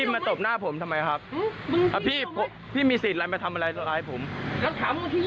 ไม่มีไฟฝ่ายหรอก